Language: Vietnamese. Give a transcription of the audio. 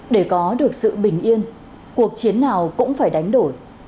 để có được sự bình yên cuộc chiến nào cũng phải đánh đổi